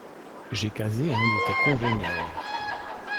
J’ai casé un de tes congénères.